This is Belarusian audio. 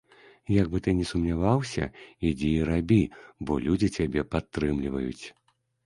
Як бы ты ні сумняваўся, ідзі і рабі, бо людзі цябе падтрымліваюць.